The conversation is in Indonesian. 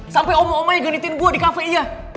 sampai om omanya genitin gue di kafe iya